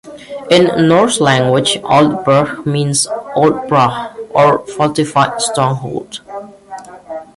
In Norse language Aldbrough means "Old Burh" or fortified stronghold.